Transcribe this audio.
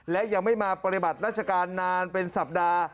และยังไม่มาปฏิบัติราชการนานเป็นสัปดาห์